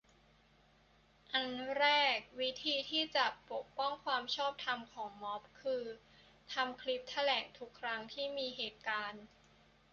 อันแรก วิธีที่จะ ปกป้องความชอบธรรมของม็อบ คือ ทำคลิปแถลงทุกครั้งที่มีเหตุการ